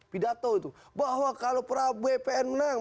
pidato itu bahwa kalau prabowo epn menang